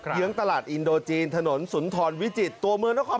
เยื้องตลาดอินโดจีนถนนสุนทรวิจิตตัวเมืองนคร